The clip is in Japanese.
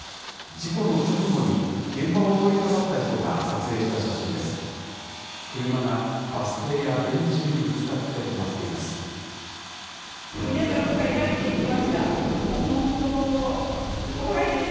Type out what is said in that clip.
事故の直後に現場を通りかかった人が撮影した写真です。